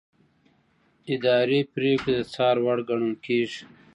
اداري پریکړې د څار وړ ګڼل کېږي.